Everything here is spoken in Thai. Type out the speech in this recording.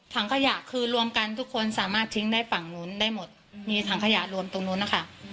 ถังขยะคือรวมกันทุกคนสามารถทิ้งได้ฝั่งนู้นได้หมดมีถังขยะรวมตรงนู้นนะคะ